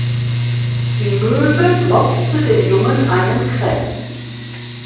Die Möwe mopste dem Jungen einen Crêpe.